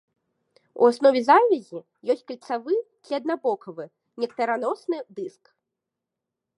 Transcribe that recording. У аснове завязі ёсць кальцавы ці аднабаковы нектараносны дыск.